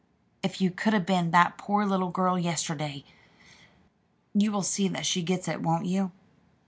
If you could have seen that poor little girl yesterday! you will see that she gets it; won't you?"